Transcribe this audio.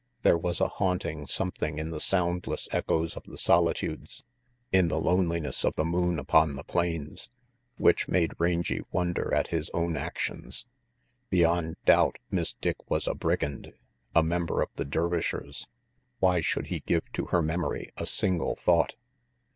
There was a haunting some thing in the soundless echoes of the solitudes, in the loneliness of the moon upon the plains, which made Rangy wonder at his own actions. Beyond doubt Miss Dick was a brigand, a member of the Dervishers. Why should he give to her memory a single thought?